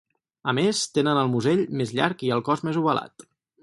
A més, tenen el musell més llarg i el cos més ovalat.